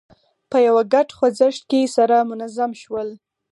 په یوه ګډ خوځښت کې سره منظم شول.